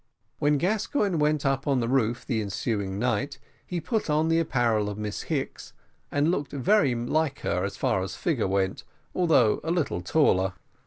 When Gascoigne went up on the roof the ensuing night, he put on the apparel of Miss Hicks, and looked very like her as far as figure went, although a little taller.